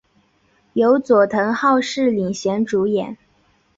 由佐藤浩市领衔主演。